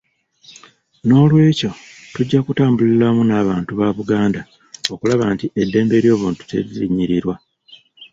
Noolwekyo tujja kutambulira wamu n'abantu ba Buganda okulaba nti eddembe ly'obuntu teririnnyirirwa.